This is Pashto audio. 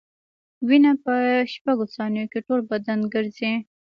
وینه په شپږ ثانیو کې ټول بدن ګرځي.